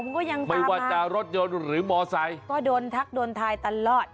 มันก็ยังตามมาก็โดนทักโดนทายตลอด